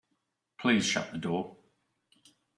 Please shut the door.